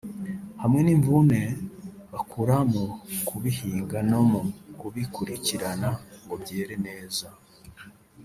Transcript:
hamwe n’imvune bakura mu kubihinga no mu kubikurikirana ngo byere neza